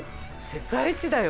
世界一だよ！